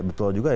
betul juga ya